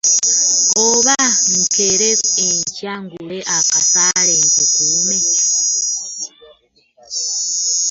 Oba nkeere enkya ngule akasaale nlukuume?